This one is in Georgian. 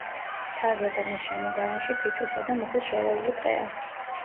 მთაზე და მის შემოგარენში ფიჭვისა და მუხის შერეული ტყეა.